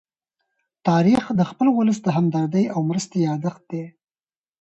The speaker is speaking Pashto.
تاریخ د خپل ولس د همدردۍ او مرستې يادښت دی.